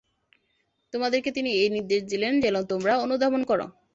তোমাদেরকে তিনি এই নির্দেশ দিলেন, যেন তোমরা অনুধাবন কর।